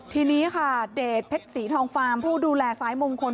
ทีนี้ค่ะเดชเพชรศรีทองฟาร์มผู้ดูแลซ้ายมงคล